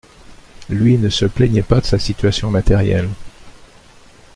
Lui ne se plaignait pas de sa situation matérielle.